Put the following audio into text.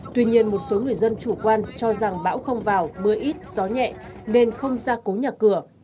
tuy nhiên một số người dân chủ quan cho rằng bão không vào mưa ít gió nhẹ nên không ra cố nhà cửa